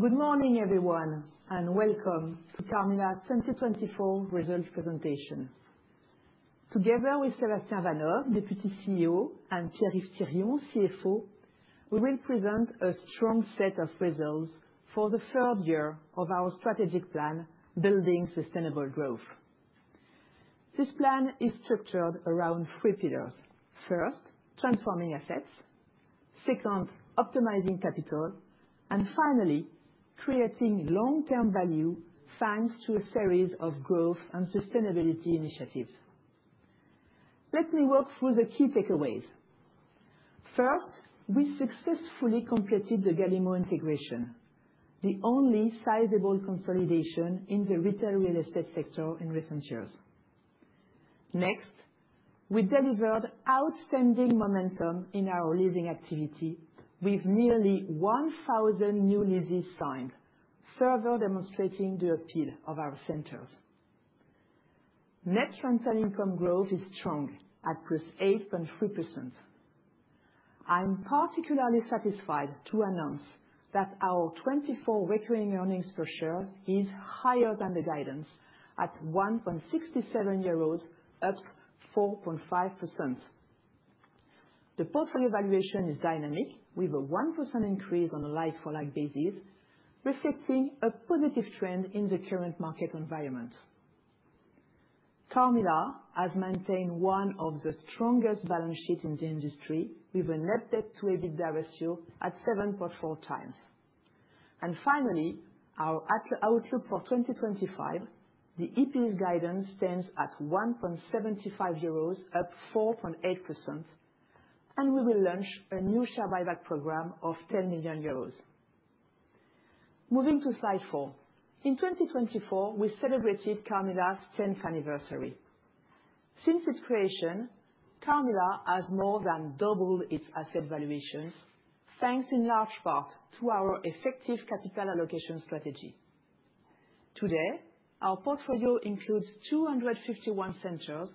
Good morning everyone and welcome to Carmila's 2024 results presentation. Together with Sébastien Vanhoove, Deputy CEO, and Pierre-Yves Thirion, CFO, we will present a strong set of results for the third year of our strategic plan Building Sustainable Growth. This plan is structured around three pillars. First, transforming assets, second, optimizing capital, and finally creating long term value thanks to. A series of growth and sustainability initiatives. Let me walk through the key takeaways. First, we successfully completed the Galimmo integration, the only sizable consolidation in the retail real estate sector in recent years. Next, we delivered outstanding momentum in our leasing activity with nearly 1,000 new leases signed, further demonstrating the appeal of our centers. Net rental income growth is strong at 8.3%. I'm particularly satisfied to announce that our 2024 recurring earnings per share is higher than the guidance at 1.67 euros, up 4.5%. The portfolio valuation is dynamic with a. 1% increase on a like-for-like. Basis, reflecting a positive trend in the current market environment. Carmila has maintained one of the strongest balance sheets in the industry with a net debt to EBITDA ratio at 7.4x. Finally, our outlook for 2025. The EPS guidance stands at 1.75 euros, up 4.8%, and we will launch a new share buyback program of 10 million euros. Moving to slide four, in 2024 we celebrated Carmila's 10th anniversary. Since its creation, Carmila has more than. Doubled its asset valuations thanks in large. Part to our effective capital allocation strategy. Today our portfolio includes 251 centers,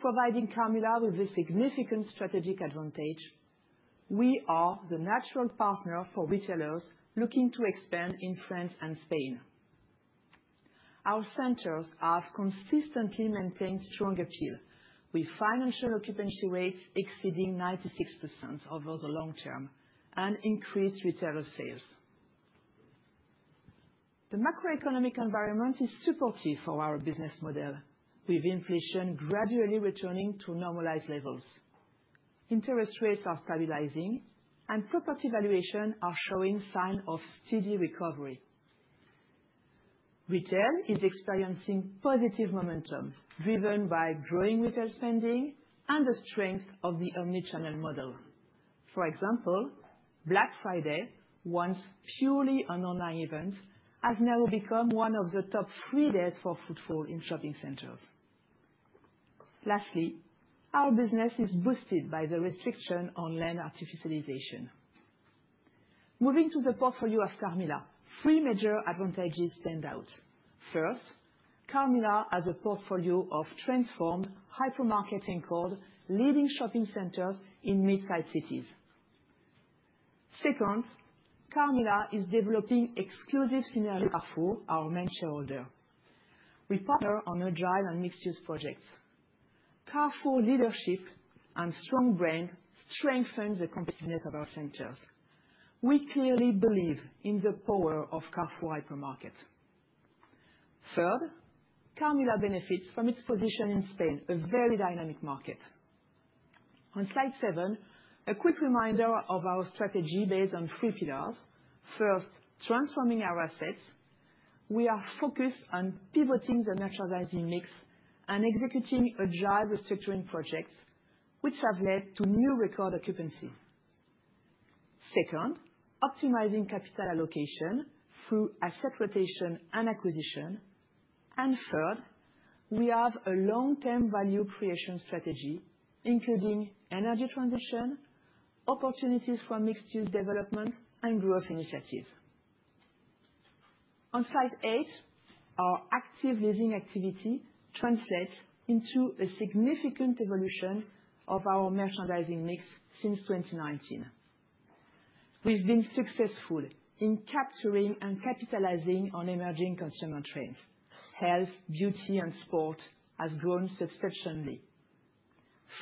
providing Carmila with a significant strategic advantage. We are the natural partner for retailers looking to expand in France and Spain. Our centers have consistently maintained strong appeal with financial occupancy rates exceeding 96% over the long term and increased retailer sales. The macroeconomic environment is supportive for our business model. With inflation gradually returning to normalized levels, interest rates are stabilizing, and property valuations are showing signs of steady recovery. Retail is experiencing positive momentum driven by growing retail spending and the strength of the omnichannel model. For example, Black Friday, once purely an online event, has now become one of the top three days for footfall in shopping centers. Lastly, our business is boosted by the restriction on land artificialization. Moving to the portfolio of Carmila, three major advantages stand out. First, Carmila has a portfolio of transformed hypermarket-anchored leading shopping centers in mid-sized cities. Second, Carmila is developing exclusive scenarios with Carrefour, our main shareholder. We partner on agile and mixed-use projects. Carrefour leadership and strong brand strengthen. The competitiveness of our centers. We clearly believe in the power of Carrefour Hypermarket. Third, Carmila benefits from its position in Spain, a very dynamic market. On slide seven, a quick reminder of our strategy based on three pillars. First, transforming our assets. We are focused on pivoting the merchandising mix and executing agile restructuring projects, which have led to new record occupancy. Second, optimizing capital allocation through asset rotation and acquisition. Third, we have a long-term value creation strategy, including energy transition opportunities for mixed-use development and growth initiatives. On slide eight, our active leasing activity translates into a significant evolution of our merchandising mix. Since 2019, we've been successful in capturing and capitalizing on emerging consumer trends. Health, beauty, and sport have grown substantially.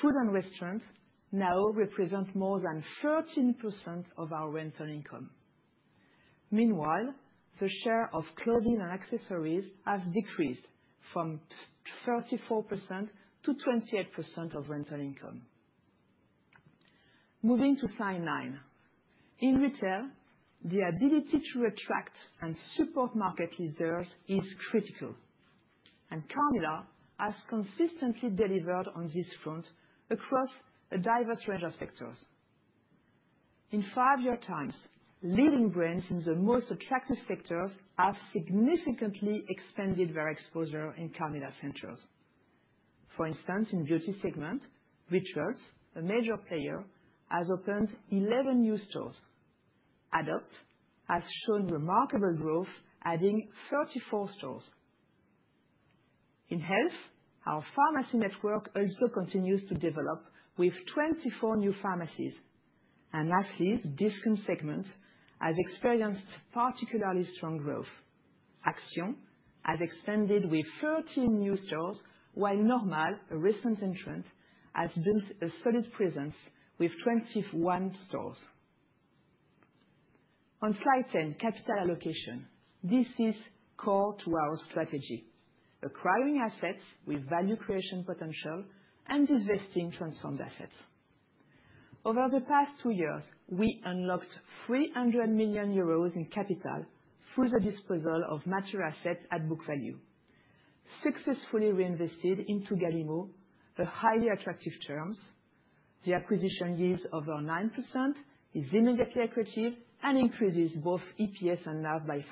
Food and restaurants now represent more than 13% of our rental income. Meanwhile, the share of clothing and accessories has decreased from 34% to 28% of rental income. Moving to slide nine, in retail, the ability to attract and support market users is critical, and Carmila has consistently delivered on this front across a diverse range of sectors. In five years' time, leading brands in the most attractive sectors have significantly expanded their exposure. In Carmila centers, for instance, in the beauty segment, Rocher, a major player, has opened 11 new stores. Adopt has shown remarkable growth, adding 34 stores. In health, our pharmacy network also continues to develop with 24 new pharmacies. Lastly, the discount segment has experienced particularly strong growth. Action has expanded with 13 new stores, while Normal, a recent entrant, has built a solid presence with 21 stores. On slide 10, capital allocation is core to our strategy, acquiring assets with value creation potential and divesting transformed assets. Over the past two years, we unlocked 300 million euros in capital through the disposal of mature assets at book value, successfully reinvested into Galimmo at highly attractive terms. The acquisition yield of 9% is immediately accretive and increases both EPS and NAV by 5%.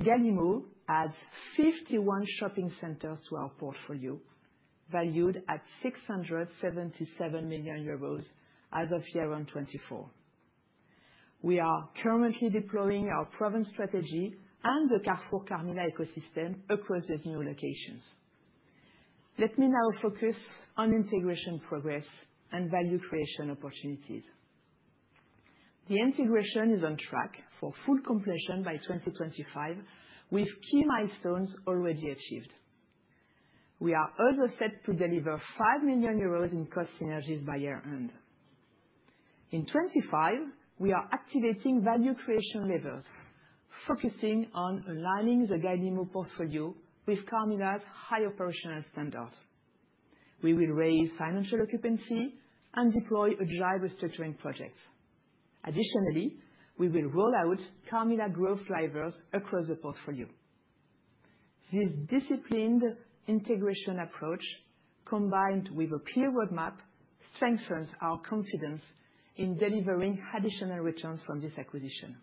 Galimmo adds 51 shopping centers to our portfolio, valued at 677 million euros as of year-end 2024. We are currently deploying our Provence strategy and the Carrefour Carmila ecosystem across these new locations. Let me now focus on integration progress and value creation opportunities. The integration is on track for full. Completion by 2025, with key milestones already achieved. We are also set to deliver 5. million in cost synergies by year end. In 2025 we are activating value creation levers, focusing on aligning the Galimmo portfolio with Carmila's high operational standards. We will raise financial occupancy and deploy agile restructuring projects. Additionally, we will roll out Carmila growth levers across the portfolio. This disciplined integration approach, combined with a pillar roadmap, strengthens our confidence in delivering additional returns from this acquisition.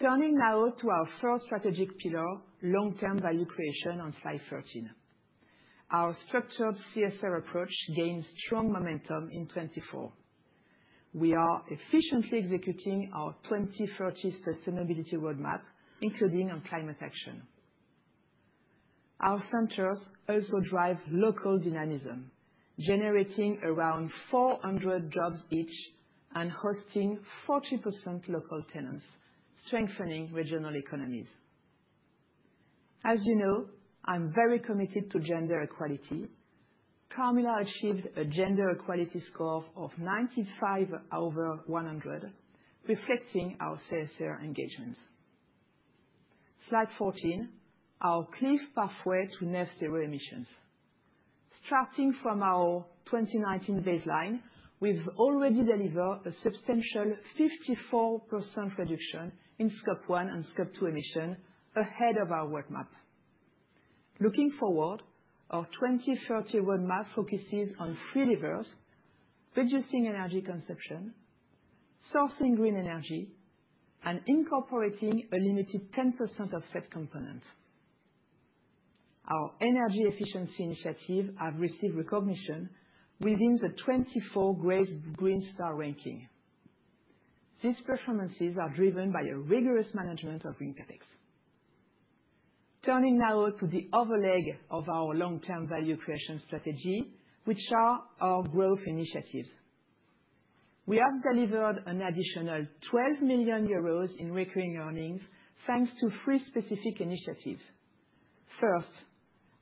Turning now to our first strategic pillar, long term value creation on slide 13, our structured CSR approach gained strong momentum in 2024. We are efficiently executing our 2030 sustainability roadmap, including on climate action. Our centers also drive local dynamism, generating around 400 jobs each and hosting 40% local tenants, strengthening regional economies. As you know, I'm very committed to gender equality. Carmila achieved a gender equality score of 95/100, reflecting our CSR engagement. slide 14, our clear pathway to net zero emissions. Starting from our 2019 baseline, we've already delivered a substantial 54% reduction in scope 1 and scope 2 emissions, ahead of our roadmap. Looking forward, our 2030 roadmap focuses on three levers: reducing energy consumption, sourcing green energy, and incorporating a limited 10% offset component. Our energy efficiency initiatives have received recognition within the 2024 GRESB Green Star ranking. These performances are driven by a rigorous approach. Management of green capex. Turning now to the other leg of our long-term value creation strategy, which. Our growth initiatives, we have delivered. An additional €12 million in recurring. Earnings thanks to three specific initiatives. First,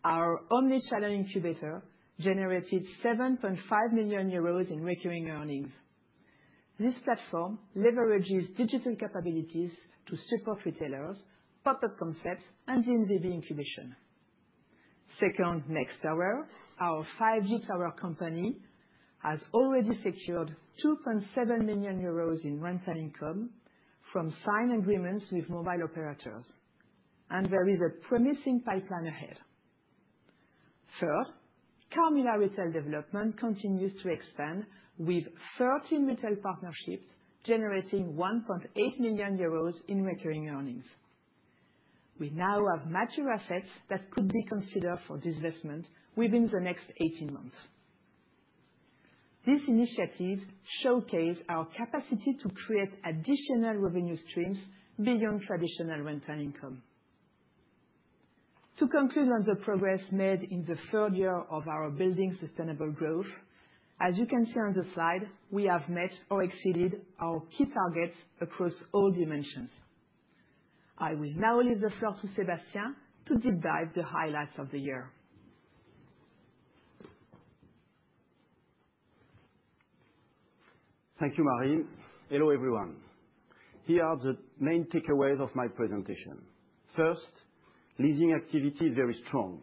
our omnichannel incubator generated 7.5 million euros. in recurring earnings. This platform leverages digital capabilities to support retailers, pop-up concepts, and omnichannel incubation. Second, Next Tower, our 5G tower company, has already secured 2.7 million euros in rental income from signed agreements with mobile operators, and there is a promising pipeline ahead. Third, Carmila Retail Development continues to expand with 30 retail partnerships generating 1.8 million euros. in recurring earnings. We now have mature assets that could. Be considered for this investment within the next 18 months. These initiatives showcase our capacity to create additional revenue streams beyond traditional rental income. To conclude on the progress made in, The third year of our building sustainable. Growth, as you can see on the. slide, we have met or exceeded our. Key targets across all dimensions. I will now leave the floor to Sébastien to deep dive the highlights of the year. Thank you Marie, hello everyone. Here are the main takeaways of my presentation. First, leasing activity very strong,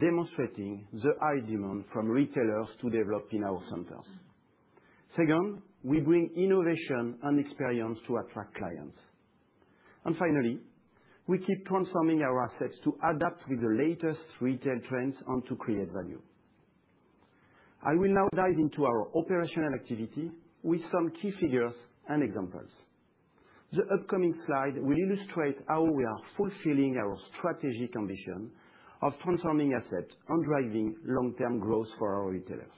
demonstrating the high demand from retailers to develop in our centers. Second, we bring innovation and experience to attract clients, and finally, we keep transforming our assets to adapt with the latest retail trends and to create value. I will now dive into our operational activity with some key figures and examples. The upcoming slide will illustrate how we are fulfilling our strategic ambition of transforming assets and driving long term growth for our retailers.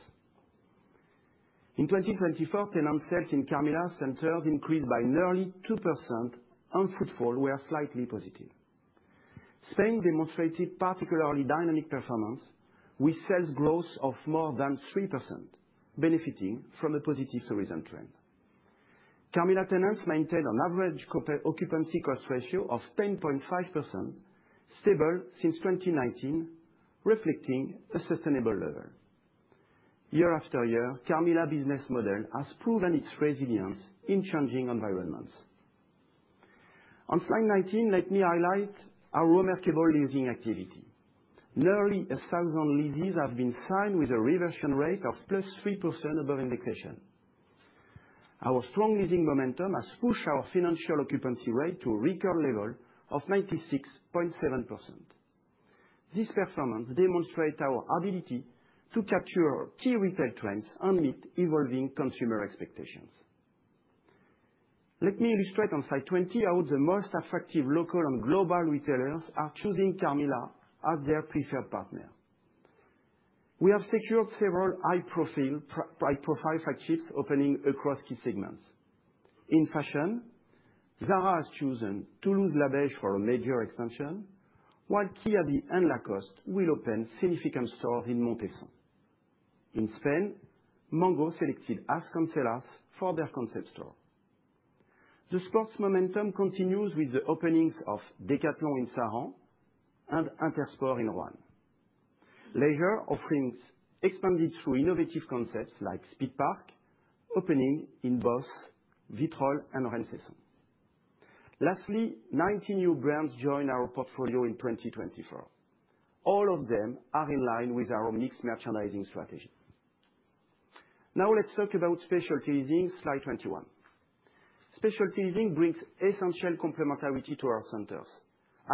In 2024, tenant sales in Carmila centers increased by nearly 2% and footfall was slightly positive. Spain demonstrated particularly dynamic performance with sales growth of more than 3%. Benefiting from a positive tourism trend, Carmila tenants maintained an average occupancy cost ratio of 10.5%, stable since 2019, reflecting a sustainable level year after year. Carmila business model has proven its resilience in changing environments. On slide 19, let me highlight our remarkable leasing activity. Nearly 1,000 leases have been signed with a reversion rate of +3% above indexation. Our strong leasing momentum has pushed our financial occupancy rate to a record level of 96.7%. This performance demonstrates our ability to capture key retail trends and meet evolving consumer expectations. Let me illustrate on slide 20 how the most attractive local and global retailers are choosing Carmila as their preferred partner. We have secured several high profile flagships opening across key segments. In fashion, Zara has chosen Toulouse Labège for a major extension, while CMG and Lacoste will open significant stores in Montesson. In Spain, Mango selected Alfons X for their concept store. The sports momentum continues with the openings of Decathlon in Saran and Intersport in Rouen. Leisure offerings expanded through innovative concepts like Speedpark opening in both Vitrolles and Rennes. Lastly, 19 new brands joined our portfolio in 2024. All of them are in line with our omnichannel merchandising strategy. Now let's talk about specialty leasing. slide 21, specialty leasing brings essential complementarity to our centers,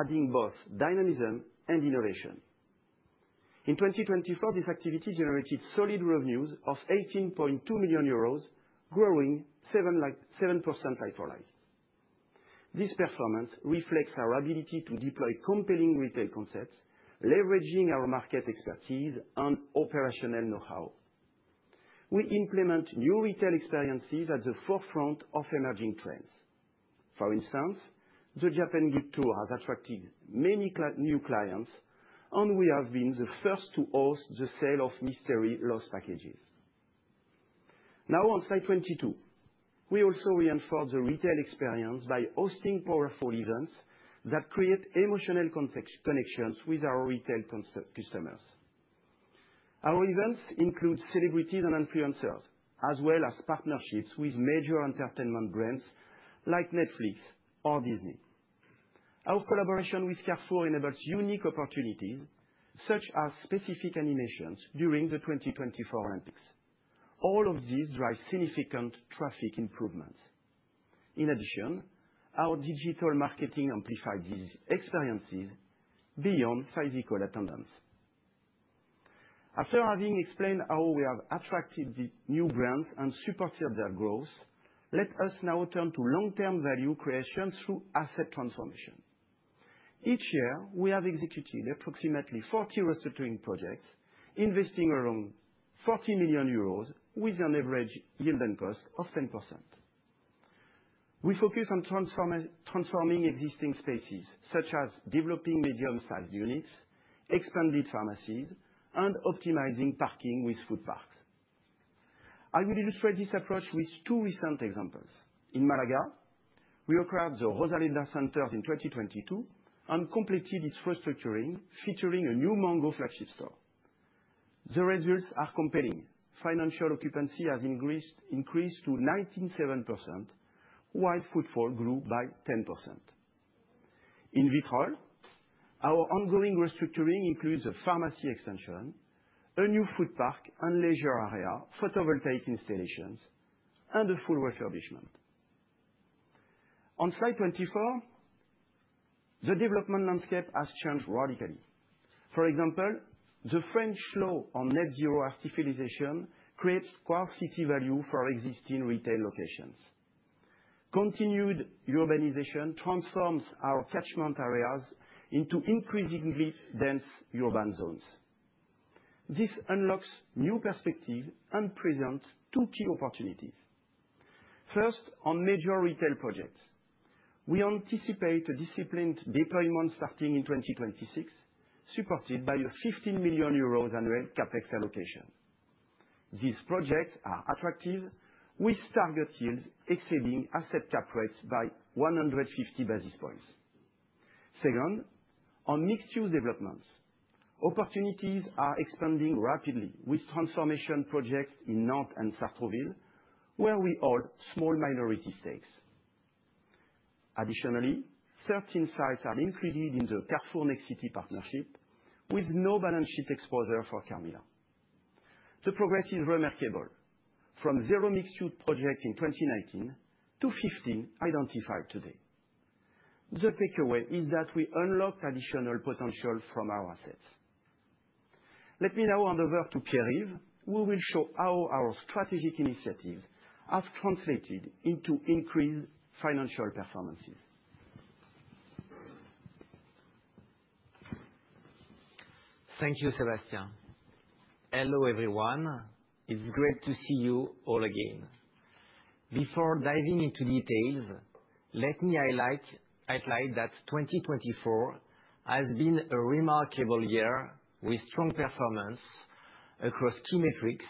adding both dynamism and innovation. In 2024, this activity generated solid revenues of 18.2 million euros, growing 7% like-for-like. This performance reflects our ability to deploy compelling retail concepts, leveraging our market expertise and operational know-how. We implement new retail experiences at the forefront of emerging trends. For instance, the Japan Good Tour has attracted many new clients, and we have been the first to host the sale of mystery loss packages. Now on slide 22, we also reinforce the retail experience by hosting powerful events that create emotional connections with our retail customers. Our events include celebrities and influencers, as well as partnerships with major entertainment brands like Netflix or Disney. Our collaboration with Carrefour enables unique opportunities such as specific animations during the 2024 Olympics. All of these drive significant traffic improvements. In addition, our digital marketing amplified these experiences beyond physical attendance. After having explained how we have attracted the new brands and supported their growth, let us now turn to long-term value creation through asset transformation. Each year, we have executed approximately 40 restructuring projects, investing around 40 million euros with an average yield and cost of 10%. We focus on transforming existing spaces, such as developing medium-sized units, expanded pharmacies, and optimizing parking with food parks. I will illustrate this approach with two recent examples. In Malaga, we acquired the Rosalinda center in 2022 and completed its restructuring, featuring a new Mango flagship store. The results are compelling. Financial occupancy has increased to 97% while footfall grew by 10%. In Vitrol, our ongoing restructuring includes a pharmacy extension, a new food park and leisure area, photovoltaic installations, and a full refurbishment. On slide 24, the development landscape has changed radically. For example, the French law on net zero art stiffilization creates quantity value for existing retail locations. Continued urbanization transforms our catchment areas into increasingly dense urban zones. This unlocks new perspective and presents two key opportunities. First, on major retail projects, we anticipate a disciplined deployment starting in 2026, supported by a 15 million euros annual CapEx allocation. These projects are attractive, with target yields exceeding asset cap rates by 150 basis points. Second, on mixed-use developments, opportunities are expanding rapidly with transformation projects in Nantes and Sartrouville, where we hold small minority stakes. Additionally, 13 sites are included in the Carrefour Next City partnership with no balance sheet exposure for Carmila. The progress is remarkable from zero mixed use project in 2019 to 15 identified today. The takeaway is that we unlocked additional potential from our assets. Let me now hand over to Pierre-Yves Thirion who will show how our strategic initiatives have translated into increased financial performances. Thank you, Sébastien. Hello everyone. It's great to see you all again. Before diving into details, let me highlight that 2024 has been a remarkable year with strong performance across key metrics,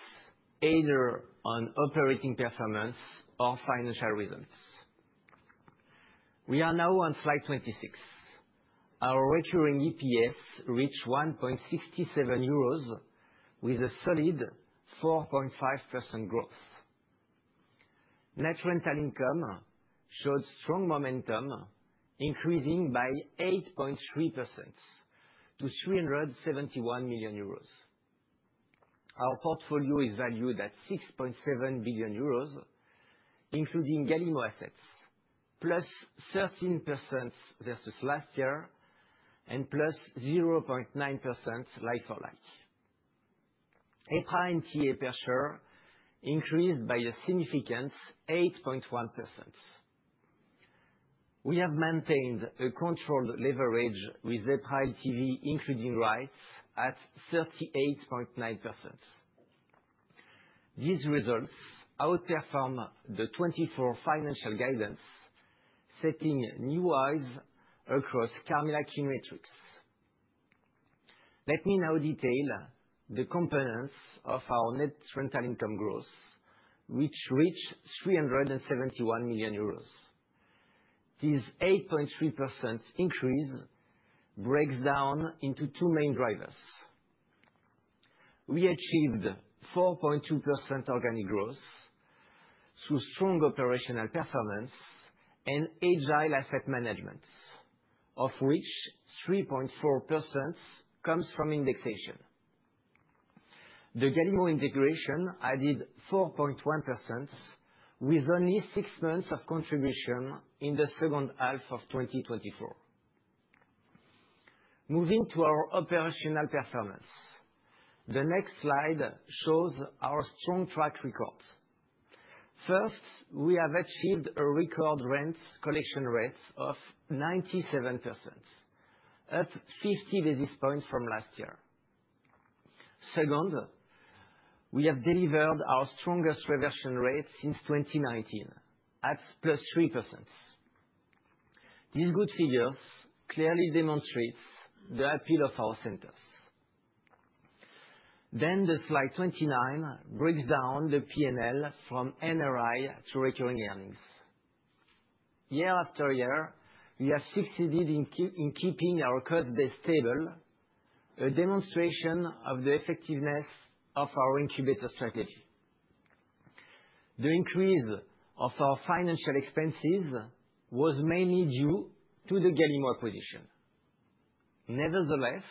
either on operating performance or financial results. We are now on slide 26. Our recurring EPS reached 1.67 euros with a solid 4.5% growth. Net rental income showed strong momentum, increasing by 8.3% to 371 million euros. Our portfolio is valued at 6.7 billion euros including Galimmo assets, plus 13% versus last year and plus 0.9% like for like. EPRA NTA per share increased by a significant 8.1%. We have maintained a controlled leverage with EPRA LTV, including rights, at 38.9%. These results outperform the 2024 financial guidance, setting new highs across Carmila key metrics. Let me now detail the components of our net rental income growth, which reached 371 million euros. This 8.3% increase breaks down into two main drivers. We achieved 4.2% organic growth through strong operational performance and agile asset management, of which 3.4% comes from indexation. The Galimmo integration added 4.1% with only six months of contribution in the second half of 2024. Moving to our operational performance, the next slide shows our strong track record. First, we have achieved a record rent collection rate of 97%, up 50 basis points from last year. Second, we have delivered our strongest reversion rate since 2019 at 3%. These good figures clearly demonstrate the appeal of our centers. Slide 29 breaks down the P&L from NRI to recurring earnings. Year after year, we have succeeded in keeping our cost base stable, a demonstration of the effectiveness of our incubator strategy. The increase of our financial expenses was. Mainly due to the Galimmo acquisition. Nevertheless,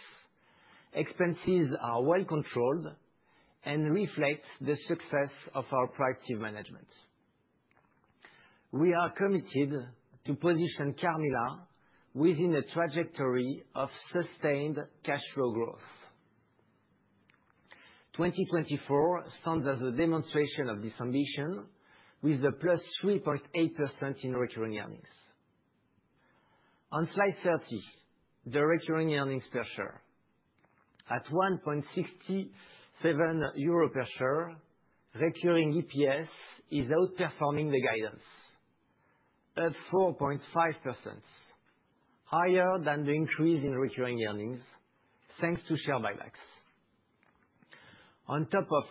expenses are well controlled and reflect the success of our proactive management. We are committed to position Carmila within a trajectory of sustained cash flow growth. 2024 stands as a demonstration of this ambition, with the +3.8% in recurring earnings on slide 30. The recurring earnings per share at 1.67 euro per share. Recurring EPS is outperforming the guidance at 4.5% higher than the increase in recurring earnings thanks to share buybacks. On top of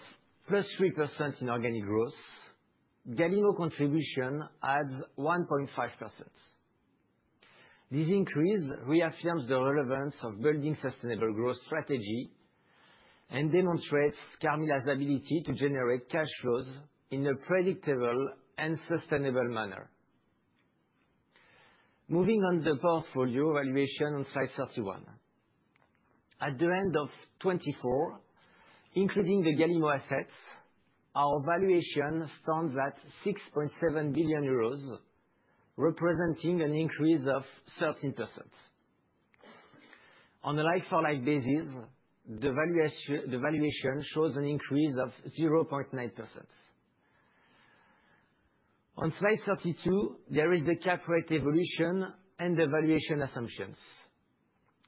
+3% in organic growth, Galimmo contribution adds 1.5%. This increase reaffirms the relevance of building sustainable growth strategy and demonstrates Carmila's ability to generate cash flows in a predictable and sustainable manner. Moving on, the portfolio valuation on slide 31 at the end of 2024, including the Galimmo assets, our valuation stands at 6.7 billion euros, representing an increase of 13%. On a like-for-like basis, the valuation shows an increase of 0.9%. On slide 32, there is the cap rate evolution and the valuation assumptions.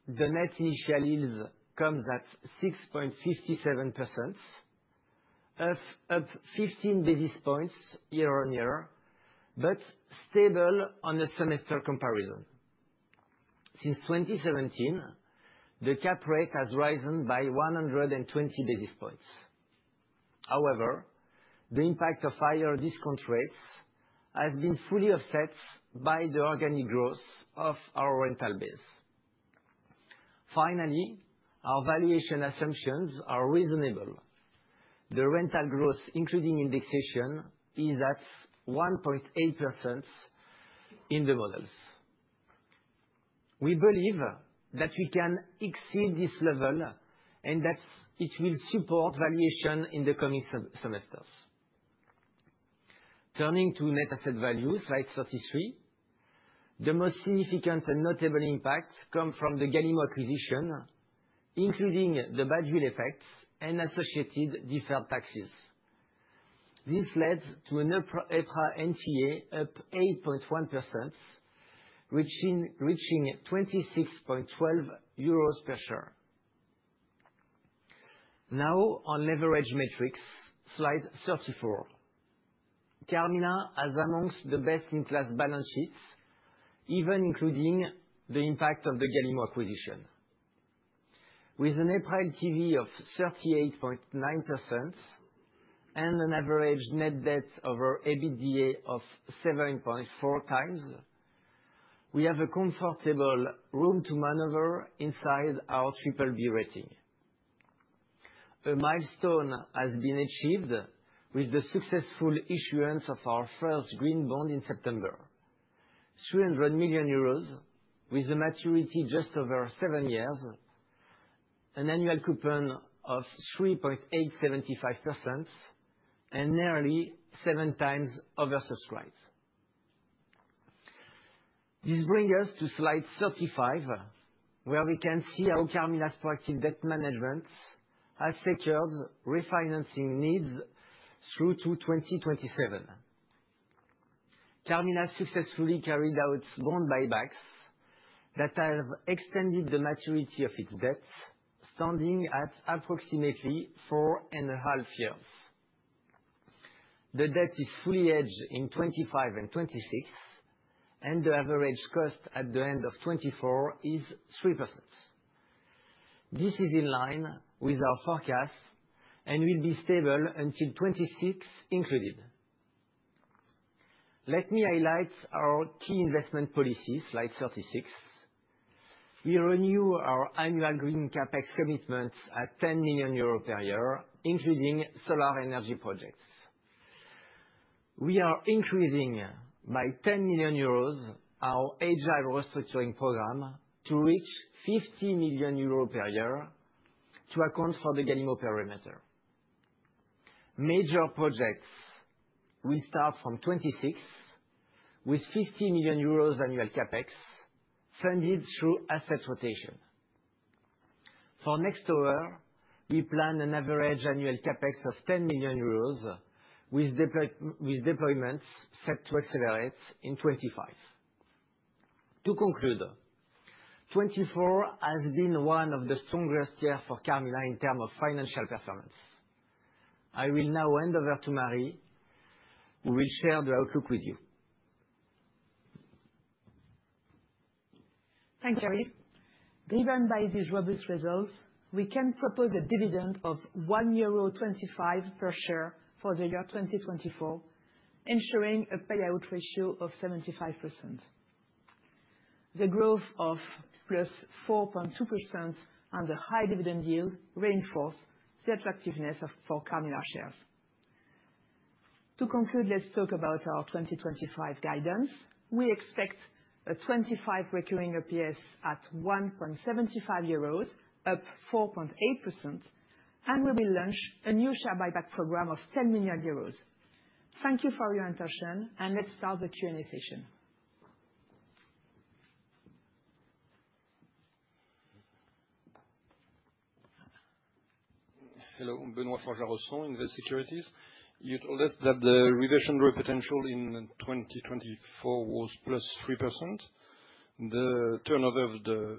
The net initial yield comes at 6.57%, up 15 basis points year on year but stable on the semester comparison. Since 2017, the cap rate has risen by 120 basis points. However, the impact of higher discount rates has been fully offset by the organic growth of our rental base. Finally, our valuation assumptions are reasonable. The rental growth, including indexation, is at 1.8% in the models. We believe that we can exceed this level and that it will support valuation. In the coming semesters, turning to net asset value, slide 33. The most significant and notable impact come from the Galimmo acquisition, including the badwill effects and associated deferred taxes. This led to an EPRA NTA up 8.1%, reaching EUR 26.12 per share. Now on Leverage Metrics slide 34, Carmila has amongst the best in class balance sheets, even including the impact of the Galimmo acquisition. With an EPRA LTV of 38.9% and an average net debt over EBITDA of 7.4x, we have comfortable room to maneuver inside our BBB rating. A milestone has been achieved with the successful issuance of our first green bond in September, 300 million euros with a maturity just over seven years, an annual coupon of 3.875%, and nearly seven times oversubscribed. This brings us to slide 35 where. We can see how Carmila's proactive debt. Management has secured refinancing needs through to 2027. Carmila successfully carried out bond buybacks that have extended the maturity of its debt, standing at approximately four and a half years. The debt is fully hedged in 2025 and 2026, and the average cost at the end of 2024 is 3%. This is in line with our forecast and will be stable until 2026 included. Let me highlight our key investment policy. Slide 36, we renew our annual green capex commitments at 10 million euros per year, including solar energy projects. We are increasing by 10 million euros our agile restructuring program to reach 50 million euros. per year. To account for the Galimmo perimeter. Major projects will start from 2026 with 50 million euros annual CapEx funded through asset rotation. For Next Tower, we plan an average annual CapEx of 10 million euros with deployments set to accelerate in 2025. To conclude, 2024 has been one of the strongest years for Carmila in terms of financial performance. I will now hand over to Marie who will share the outlook with you. Thanks, Pierre. Driven by these robust results, we can propose a dividend of 1.25 euro per share for the year 2024, ensuring a payout ratio of 75%. The growth of +4.2% and the high dividend yield reinforce the attractiveness for Carmila shares. To conclude, let's talk about our 2025 guidance. We expect recurring EPS at 1.75 euros, up 4.8%, and we will launch a new share buyback program of 10 million euros. Thank you for your attention and let's start the Q&A session. Hello, Benoit Forgerson, Invest Securities. You told us that the reversion growth potential in 2024 was +3%. The turnover of the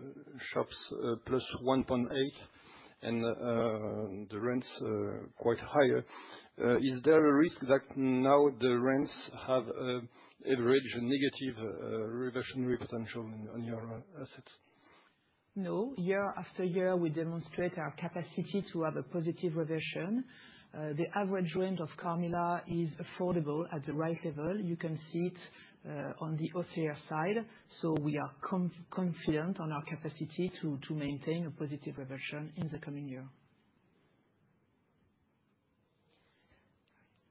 shops +1.8%. The rents are quite higher. Is there a risk that now the rents have average negative reversionary potential on your assets? No. Year after year we demonstrate our capacity to have a positive reversion. The average rent of Carmila is affordable at the right level. You can see it on the OCR side. We are confident on our capacity to maintain a positive reversion in the coming year.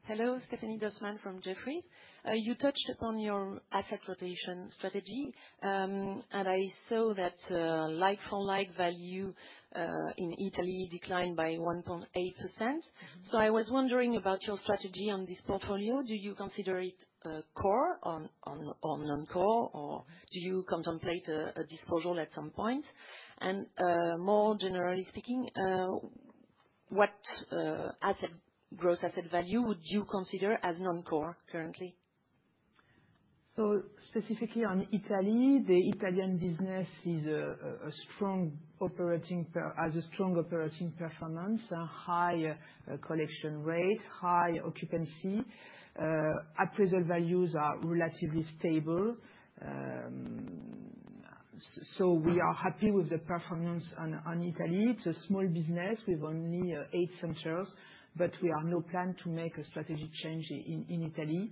Hello, Stephanie Dossman from Jefferies. You touched upon your asset rotation strategy, and I saw that like-for-like value in Italy declined by 1.8%. I was wondering about your strategy on this portfolio. Do you consider it core or non-core? Do you contemplate a disposal at some point? More generally speaking, what gross asset value would you consider as non-core? Currently, so specifically on Italy? The Italian business has a strong operating performance, high collection. Rate, high occupancy, appraisal values are relatively stable. We are happy with the performance on Italy. It's a small business with only eight centers. We have no plan to make. A strategic change in Italy.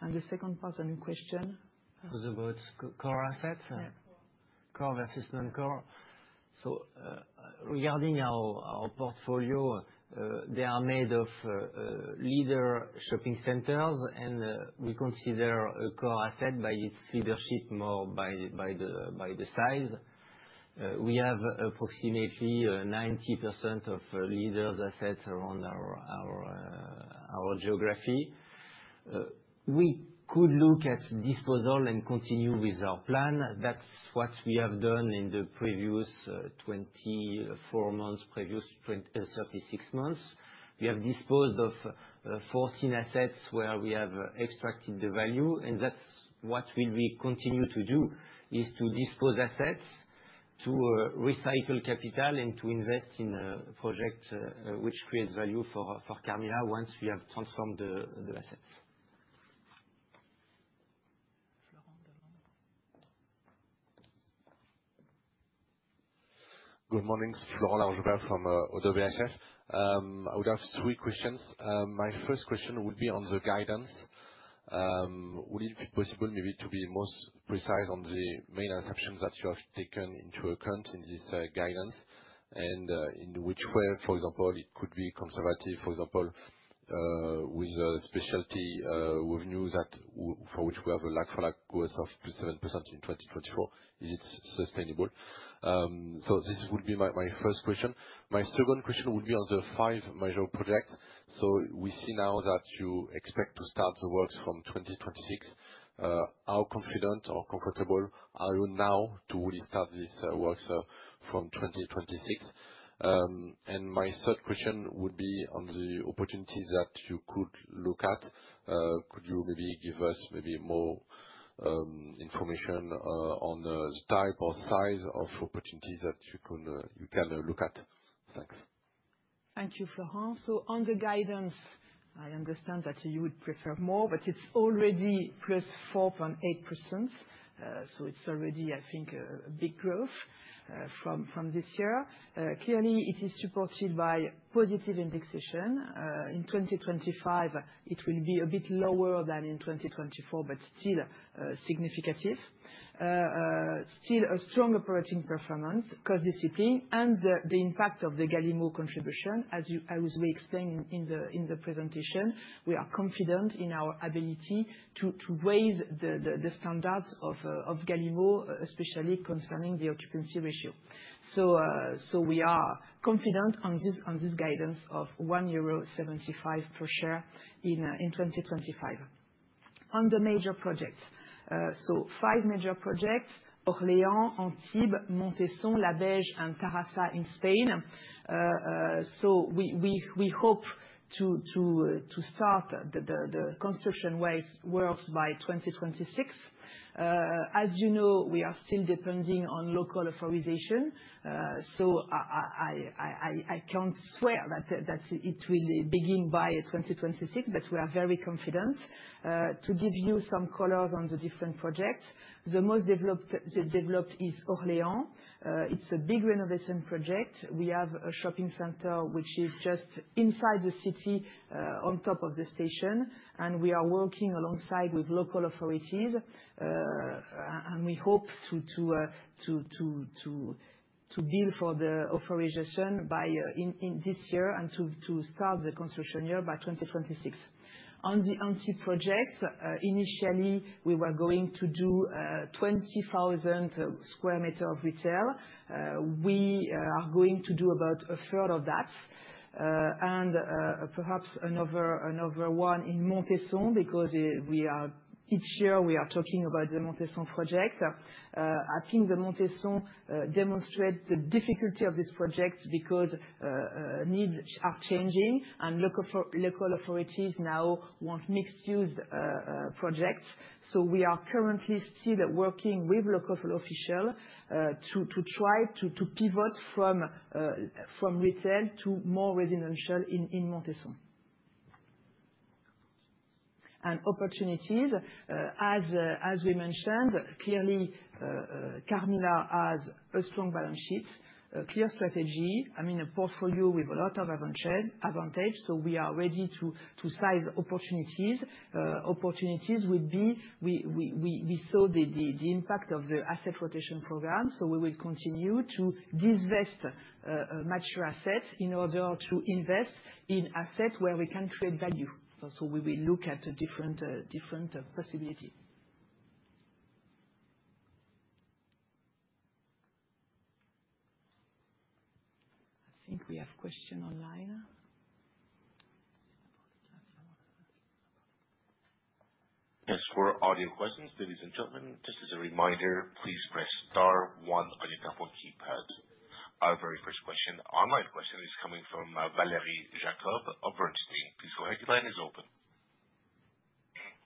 The second person in question was. About core assets, core versus non-core. Regarding our portfolio, they are made of leader shopping centers and we consider a core asset by its leadership, more by the size. We have approximately 90% of leader assets around our geography. We could look at disposal and continue with our plan. That's what we have done in the previous 24 months, previous 36 months we have disposed of 14 assets where we have extracted the value and that's what we will continue to do, is to dispose assets, to recycle capital and to invest in projects which creates value for Carmila once we have transformed the assets. Good morning, Florent Laroche-Joubert from ODDO BHF. I would have three questions. My first question would be on the guidance. Would it be possible maybe to be more precise on the main assumptions that you have taken into account in this guidance and in which way, for example, it could be conservative? For example, with specialty revenues for which we have a lack of growth of 7% in 2024, is it sustainable? This would be my first question. My second question would be on the five major projects. We see now that you expect to start the works from 2026. How confident or comfortable are you now to really start this work from 2026? My third question would be on the opportunities that you could look at. Could you maybe give us more information on the type or size of opportunities that you can look at? Thank you, Florent. On the guidance, I understand that. You would prefer more, but it's already plus 4.8%. It's already, I think, big growth from this year. Clearly, it is supported by positive indexation. In 2025, it will be a bit lower than in 2024, but still significant. Still a strong operating performance, cost discipline, and the impact of the Galimmo contribution. As we explained in the presentation, we are confident in our ability to raise the standards of Galimmo, especially concerning the occupancy ratio. We are confident on this guidance. 1.75 euro per share in 2025 on the major projects. Five major projects. Orléans, Antibes, Montesson, La Béziers, and Terrassa in Spain. We hope to start the construction works by 2026. As you know, we are still depending on local authorization. I can't swear that it will. Begin by 2026. We are very. Confident to give you some colors on the different projects. The most developed is Orléans. It's a big renovation project. We have a shopping center which is. Just inside the city, on top of the station. We are working alongside local authorities and we hope to file for the authorization this year and to start the construction by 2026. On the Antibes project, initially we were going to do 20,000 square meters of retail. We are going to do about a third of that and perhaps another one in Montesson, because each year we are talking about the Montesson project. I think Montesson demonstrates the difficulty of this project because needs are changing and local authorities now want mixed-use projects. We are currently still working with local officials to try to pivot from retail to more residential in Montesson. Opportunities, as we mentioned, clearly Carmila has a strong balance sheet and a clear strategy. I mean a portfolio with a lot of advantage. We are ready to size opportunities. Opportunities would be, we saw the impact of the asset rotation program, so we will continue to. Divest mature assets in order to invest in assets where we can create value. We will look at different possibilities. I think we have a question online. As for audio questions, ladies and gentlemen, just as a reminder, please press star one on your table keypad. Our very first online question is coming from Valerie Jacob of Bernstein. The line is open.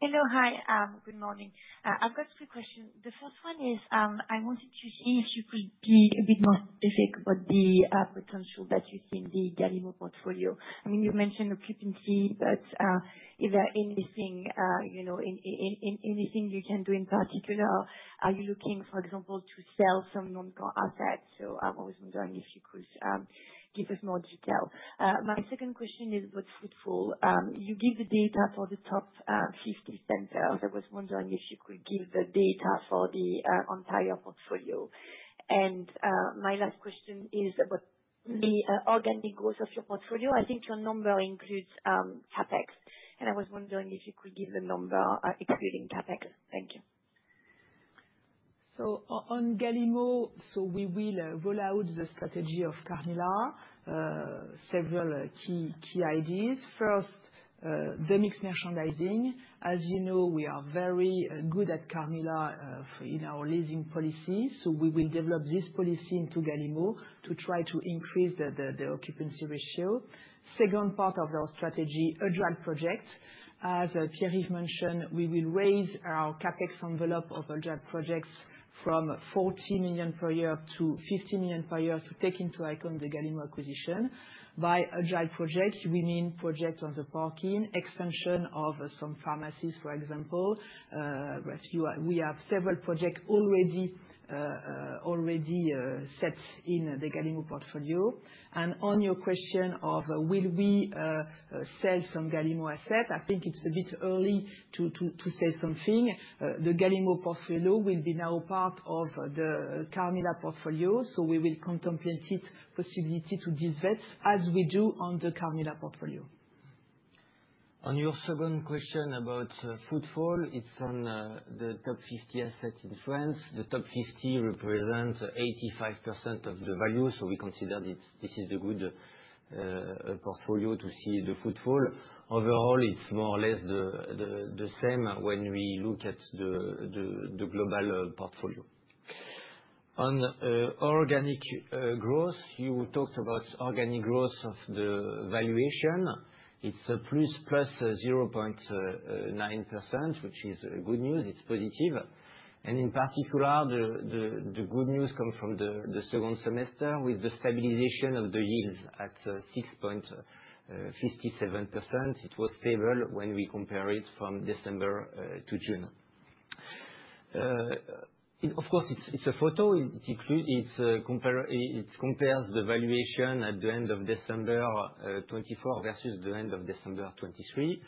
Hello. Hi, good morning. I've got three questions. The first one is I wanted to see if you could be a bit more specific about the potential that you see in the Galimmo portfolio. I mean, you mentioned occupancy, but is there anything you can do in particular, are you looking, for example, to sell some non-core assets? I was wondering if you could give us more detail. My second question is what's fruitful? You give the data for the top. I was wondering if you could give the data for the entire portfolio. My last question is about the organic growth of your portfolio. I think your number includes CapEx, and I was wondering if you could give the number excluding CapEx. Thank you. On Galimmo, we will roll out the strategy of Carmila. Several key ideas. First, the mixed merchandising. As you know, we are very good at Carmila in our leasing policy. We will develop this policy into Galimmo to try to increase the occupancy ratio. Second, part of our strategy, a drag project. As Pierre-Yves mentioned, we will raise our CapEx envelope of agile projects from 40 million per year to 50 million per year to take into account the Galimmo acquisition. By agile projects, we mean projects on the parking expansion of some pharmacies. For example, we have several projects already set in the Galimmo portfolio. On your question of will we sell some Galimmo asset, I think it's a bit early to say something. The Galimmo portfolio will be now part of the Carmila portfolio. We will contemplate possibility to divest as we do on the Carmila portfolio. On your second question about footfall, it's on the top 50 assets in France. The top 50 represents 85% of the value. We consider this is a good portfolio to see the footfall. Overall, it's more or less the same. When we look at the global portfolio on organic growth, you talked about organic growth. Of the valuation, it's +0.9%, which is good news. It's positive, and in particular, the good news comes from the second semester with the stabilization of the yields at 6.57%. It was stable when we compare it from December to. June. Of course, it's a photo. It compares the valuation at the end of December 2024 versus the end of December 2023.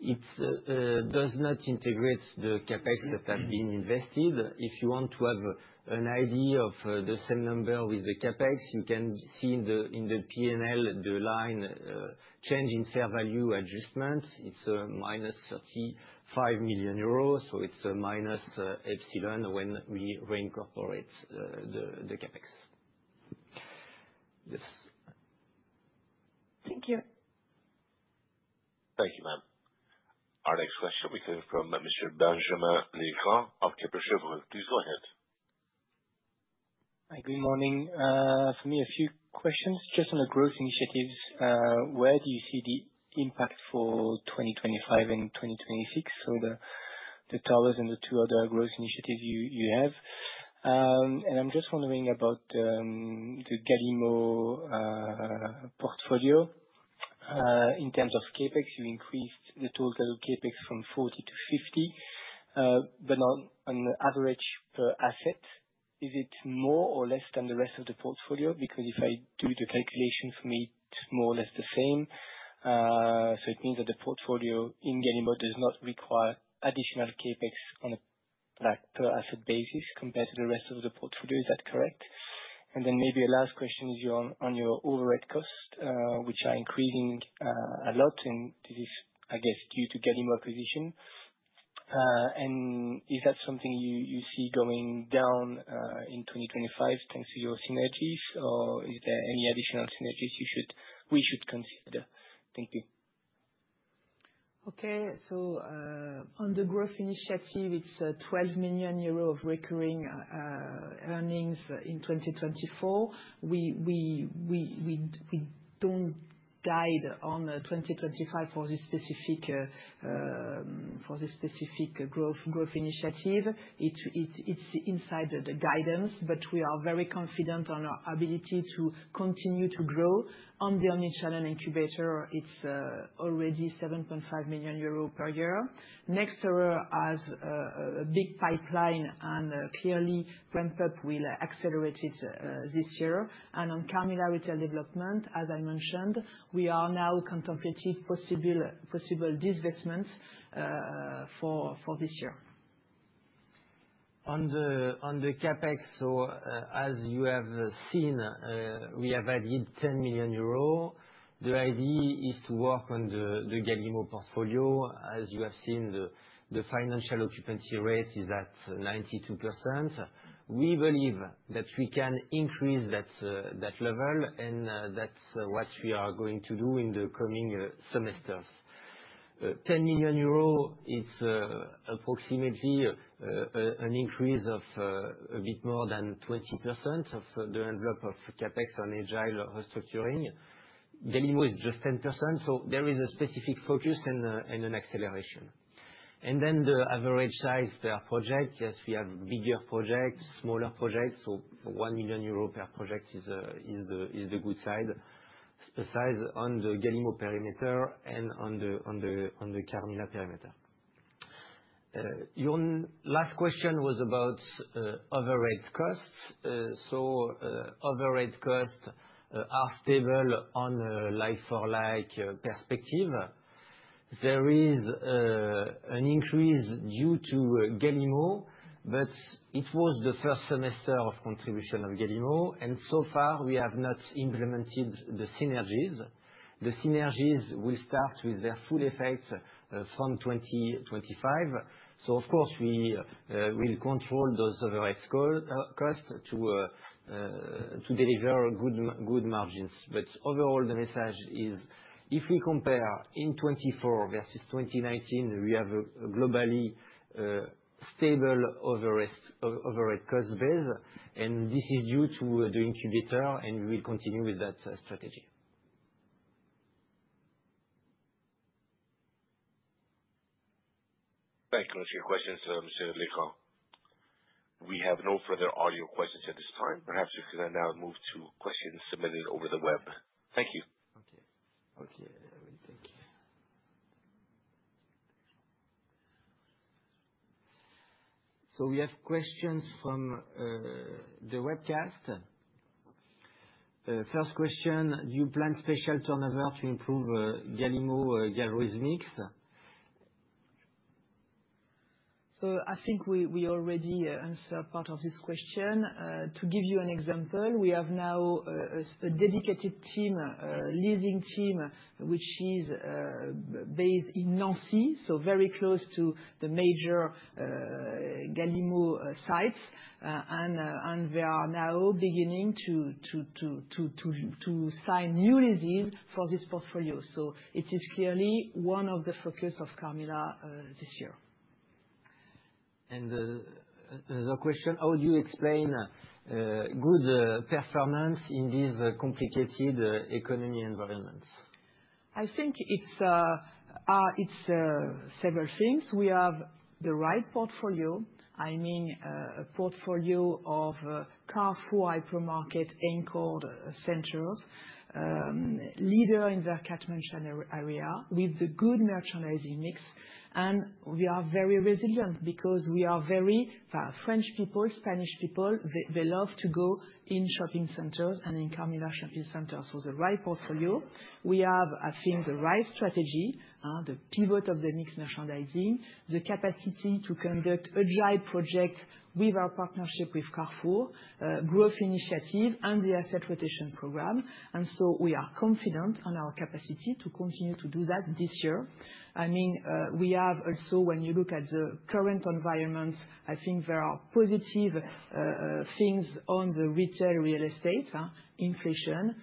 It does not integrate the CapEx that have been invested. If you want to have an idea of the same number with the CapEx, you can see in the P&L the line change in fair value adjustment. It's minus €35 million. So it's minus € when we reincorporate the CapEx. Yes, thank you. Thank you. Our next question came from Mr. Benjamin Legrand of Kepler Cheuvreux. Please go ahead. Hi. Good morning. For me, a few questions. Just on the growth initiatives, where do you see the impact for 2025 and 2026? The towers and the two other growth initiatives you have. I'm just wondering about the Galimmo portfolio. In terms of CapEx, you increased the total CapEx from 40 million to 50 million. On average per asset, is it more or less than the rest of the portfolio? If I do the calculation, for me it's more or less the same. It means that the portfolio in Galimmo does not require additional CapEx on a per asset basis compared to the rest of the portfolio, is that correct? Maybe a last question is on your overhead costs, which are increasing a lot. This is, I guess, due to the Galimmo acquisition. Is that something you see going down in 2025 thanks to your synergies, or is there any additional synergies we should consider? Thank you. Okay, on the growth initiative, it's. 12 million euro of recurring earnings in 2024. We don't guide on 2025. For. This specific growth initiative. It's inside the guidance. We are very confident on our ability to continue to grow. On the omnichannel incubator, it's already 7.5 million euro per year. Next Tower has a big pipeline, and clearly ramp up will accelerate it this year. On Carmila Retail Development, as I. Mentioned, we are now contemplating possible divestments for this year. On the CapEx, as you have seen, we have added €10 million. The idea is to work on the Galimmo portfolio. As you have seen, the financial occupancy rate is at 92%. We believe that we can increase that level and that's what we are going to do in the coming semesters. 10 million euros is approximately an increase of a bit more than 20% of the envelope of CapEx. On agile restructuring, Galimmo is just 10%. There is a specific focus and an acceleration. The average size per project. Yes, we have bigger projects, smaller projects. 1 million euro per project is the good side on the Galimmo perimeter and on the Carmila perimeter. Your last question was about overhead costs. Overhead costs are stable. On a like-for-like perspective, there is an increase due to Galimmo, but it was the first semester of contribution of Galimmo, and so far we have not implemented the synergies. The synergies will start with their full effect from 2025, so of course we will control those overhead costs to deliver good margins. Overall, the message is if we. Compare in 2024 versus 2019. We have a globally stable overhead cost base, and this is due to the omnichannel incubator, and we will continue with that strategy. Thank you for your questions, Monsieur Legrand. We have no further audio questions at this time. Perhaps we can now move to questions submitted over the webinar. Thank you. Okay. Okay, thank you. We have questions from the webcast. First question, do you plan special turnover. To improve Galimmo gallerhythmics? I think we already answered part of this question. To give you an example, we have now a dedicated team, a leading team which is based in Nancy, very close to the major Galimmo sites, and they are now beginning to. Sign new. Leases for this portfolio. It is clearly one of the focus of Carmila this year. How do you explain? Good performance in these complicated economic environments? I think it's several things. We have the right portfolio, I mean. A portfolio of Carrefour hypermarket-anchored centers, leader in the cat merchant area with the good merchandising mix. We are very resilient because we are very French people, Spanish people, they love to go in shopping centers and in Carmila shopping centers. The right portfolio, we have I think the right strategy, the pivot of the mixed merchandising, the capacity to conduct agile project with our partnership with Carrefour growth initiatives and the asset rotation program. We are confident on our capacity to continue to do that this year. When you look at the current environment, I think there are positive things on the retail real estate: inflation,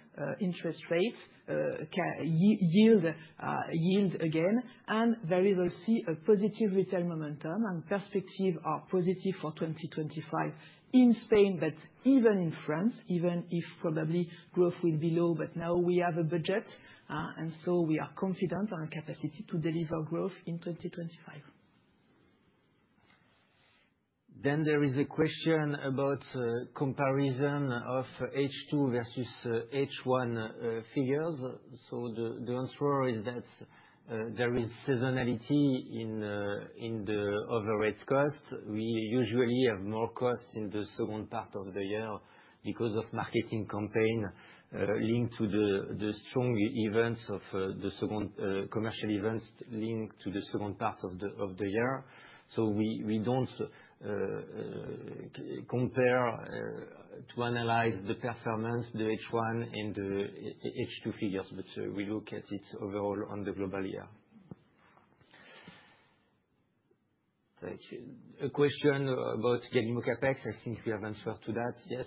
interest rates, yield, yield again, and we will see a positive retail momentum and perspective are positive for 2025 in Spain, even in France even if probably growth will be low. Now we have a budget and we are confident on our capacity to deliver growth in 2025. There is a question about comparison. Of H2 versus H1 figures. The answer is that there is seasonality in the overhead cost. We usually have more costs in the second part of the year because of marketing campaigns linked to the strong events of the second commercial event linked to the second part of the year. We don't compare to analyze the performance of the H1 and H2 figures. We look at it overall on the global year. A question about Galimmo CapEx, I think we have answered to that. Yes,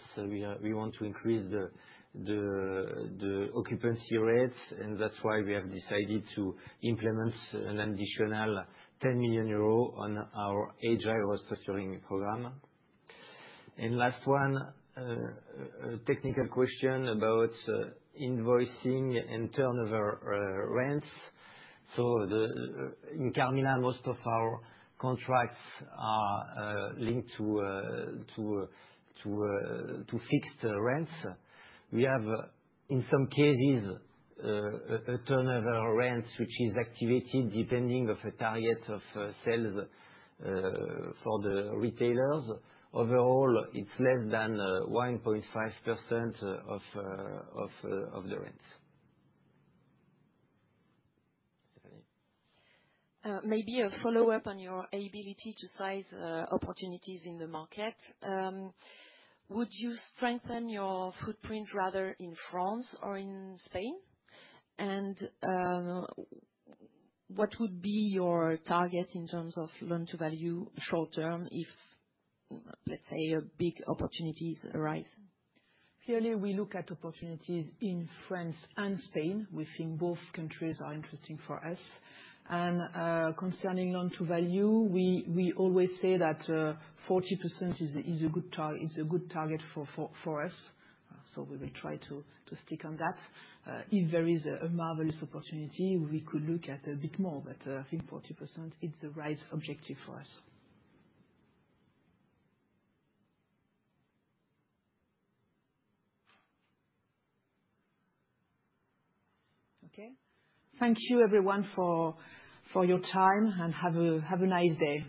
we want to increase the occupancy rates and that's why we have decided to implement an additional 10 million euros on our Agile restructuring program. Last one, a technical question about. Invoicing and turnover rents. In Carmila, most of our contracts. Are linked to fixed rents. We have in some cases a turnover rent which is activated depending on a target of sales for the retailers. Overall, it's less than 1.5% of the rent. Maybe a follow up on your ability to size opportunities in the market. Would you strengthen your footprint rather in France or in Spain? What would be your target in terms of loan to value short term if, let's say, big opportunities arise? Clearly we look at opportunities in France and Spain. We think both countries are interesting for us. Concerning loan to value, we always say that 40% is a good target for us. We will try to stick on that. If there is a marvelous opportunity, we could look at a bit more. I think 40% is the right objective for us. Okay, thank you everyone for your time. Have a nice day.